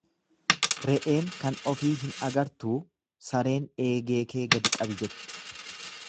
Re'een kan ofii hin agartuu sareen eegee kee gadi gabi jetti.